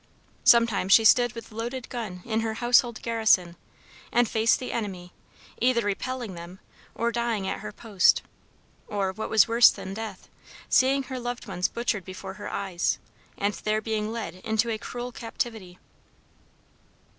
Sometimes she stood with loaded gun in her household garrison, and faced the enemy, either repelling them, or dying at her post, or, what was worse than death, seeing her loved ones butchered before her eyes, and their being led into a cruel captivity.